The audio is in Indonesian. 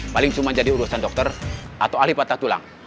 paling cuma jadi urusan dokter atau ahli patah tulang